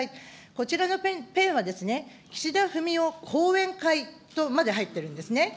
こちらのペンはですね、岸田文雄後援会とまで入ってるんですね。